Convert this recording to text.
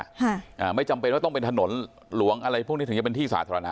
อ่าไม่จำเป็นว่าต้องเป็นถนนหลวงอะไรพวกนี้ถึงจะเป็นที่สาธารณะ